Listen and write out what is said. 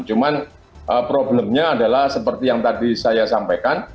cuman problemnya adalah seperti yang tadi saya sampaikan